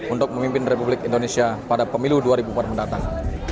untuk memimpin republik indonesia pada pemilu dua ribu empat mendatang